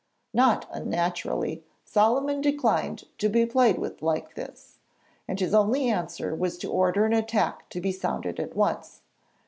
Not unnaturally Solyman declined to be played with like this, and his only answer was to order an attack to be sounded at once.